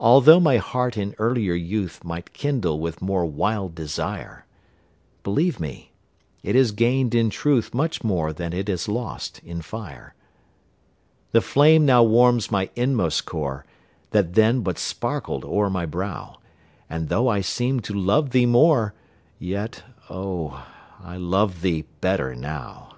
Altho' my heart in earlier youth Might kindle with more wild desire, Believe me, it has gained in truth Much more than it has lost in fire. The flame now warms my inmost core, That then but sparkled o'er my brow, And, though I seemed to love thee more, Yet, oh, I love thee better now.